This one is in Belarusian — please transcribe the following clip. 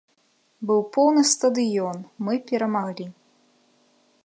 Быў поўны стадыён, мы перамаглі.